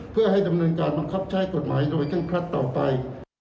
เพื่อให้ดำเนินการบังคับใช้กฎหมายโดยเคร่งครัดต่อไป